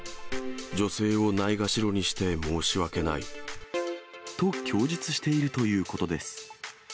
女性をないがしろにして申し訳ない。と供述しているということです。